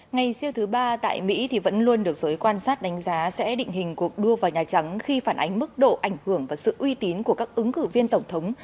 ngày siêu thứ ba tại mỹ vẫn luôn được giới quan sát đánh giá sẽ định hình cuộc đua vào nhà trắng khi phản ánh mức độ ảnh hưởng và sự uy tín của các ứng cử viên tổng thống